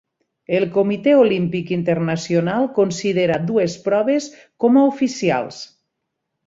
El Comitè Olímpic Internacional considera dues proves com a oficials.